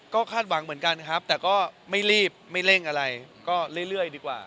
ก็คาดหวังเหมือนกันครับแต่ก็ไม่รีบไม่เร่งอะไรก็เรื่อยดีกว่า